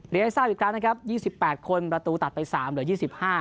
ให้ทราบอีกครั้งนะครับ๒๘คนประตูตัดไป๓เหลือ๒๕